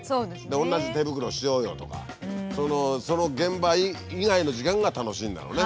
同じ手袋しようよとかその現場以外の時間が楽しいんだろうね。